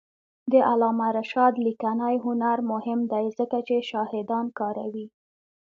د علامه رشاد لیکنی هنر مهم دی ځکه چې شاهدان کاروي.